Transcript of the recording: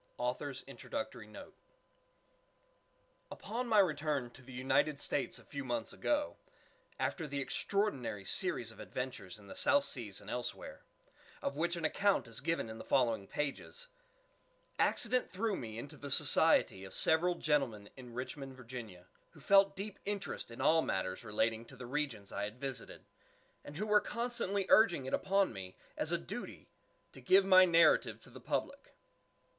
GORDON PYM INTRODUCTORY NOTE Upon my return to the United States a few months ago, after the extraordinary series of adventure in the South Seas and elsewhere, of which an account is given in the following pages, accident threw me into the society of several gentlemen in Richmond, Va., who felt deep interest in all matters relating to the regions I had visited, and who were constantly urging it upon me, as a duty, to give my narrative to the public.